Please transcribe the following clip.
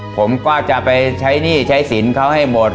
ผมก็จะไปใช้หนี้ใช้สินเขาให้หมด